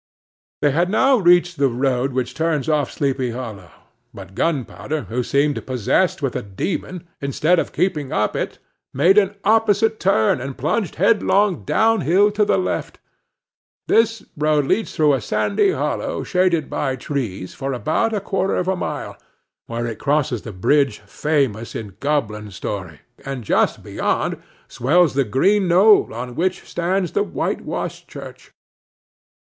They had now reached the road which turns off to Sleepy Hollow; but Gunpowder, who seemed possessed with a demon, instead of keeping up it, made an opposite turn, and plunged headlong downhill to the left. This road leads through a sandy hollow shaded by trees for about a quarter of a mile, where it crosses the bridge famous in goblin story; and just beyond swells the green knoll on which stands the whitewashed church.